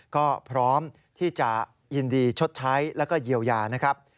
ก็พร้อมที่จะยินดีชดใช้แล้วก็เยียวยานะครับ